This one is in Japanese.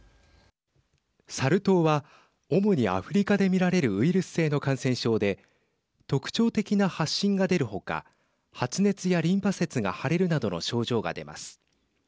サル痘は主にアフリカで見られるウイルス性の感染症で特徴的な発疹が出るほか発熱やリンパ節が腫れるなどの症状が出ます。